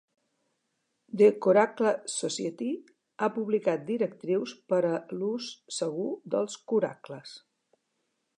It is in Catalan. The Coracle Society ha publicat directrius per a l'ús segur dels coracles.